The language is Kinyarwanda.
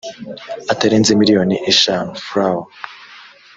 atarenze miliyoni eshanu frw